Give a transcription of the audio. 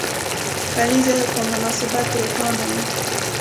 کلیزې په مناسبت روښانه وو.